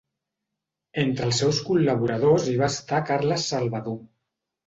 Entre els seus col·laboradors hi va estar Carles Salvador.